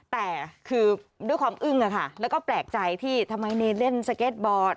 แต่คือด้วยความอึ้งแล้วก็แปลกใจที่ทำไมเนเล่นสเก็ตบอร์ด